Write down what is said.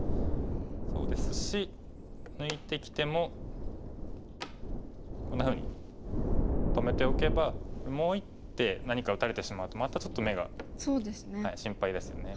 そうですし抜いてきてもこんなふうに止めておけばもう一手何か打たれてしまうとまたちょっと眼が心配ですよね。